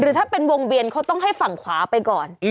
ถ้าเป็นวงเวียนเขาต้องให้ฝั่งขวาไปก่อน